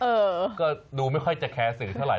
เออก็ดูไม่ค่อยจะแคร์สื่อเท่าไห